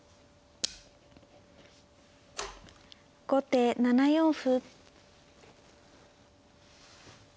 後手７四歩。